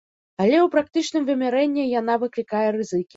Але ў практычным вымярэнні яна выклікае рызыкі.